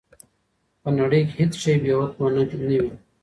په نړۍ کي هیڅ شی بې حکمه نه وي.